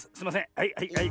はいはいはい。